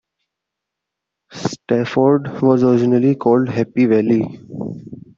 Stafford was originally called Happy Valley.